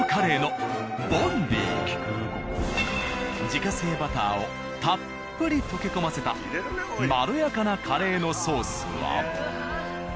自家製バターをたっぷり溶け込ませたまろやかなカレーのソースは。